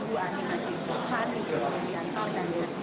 untuk memakai sendiri